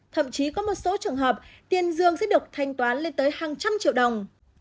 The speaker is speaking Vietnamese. thậm chí có một số trường hợp tiền dương sẽ được thanh toán lên tới hàng trăm triệu đồng